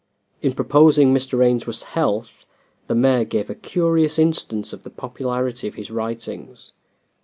In proposing Mr. Ainsworth's health, the mayor gave a curious instance of the popularity of his writings.